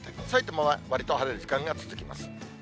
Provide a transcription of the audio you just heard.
さいたまはわりと晴れる時間が続きます。